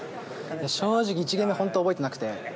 正直、１ゲーム目本当、覚えてなくて。